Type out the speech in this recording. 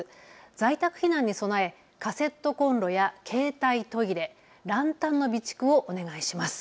在宅避難に備えカセットコンロや携帯トイレ、ランタンの備蓄をお願いします。